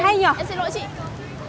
và hớt hải tìm con